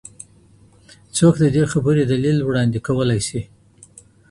څوک د دې خبري دليل وړاندي کولای سي؟